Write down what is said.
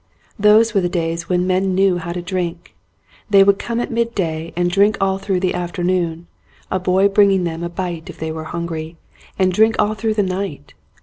Those were the days when men knew how to drink. They would come at midday and drink all through the afternoon, a boy bringing them a bite if they were hungry, and drink all through the night.